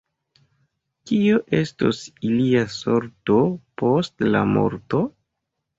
Kio estos ilia sorto post la morto?